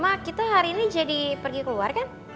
mak kita hari ini jadi pergi keluar kan